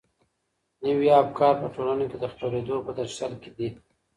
نوي افکار په ټولنه کي د خپرېدو په درشل کي دي.